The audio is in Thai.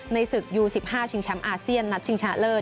ในศึกยู๑๕ชิงแชมป์อาเซียนนัดชิงชนะเลิศ